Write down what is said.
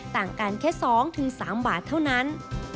ต่างกันแค่๒๓บาทเท่านั้น